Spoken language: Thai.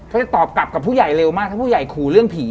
จะตอบกลับกับผู้ใหญ่เร็วมากถ้าผู้ใหญ่ขู่เรื่องผี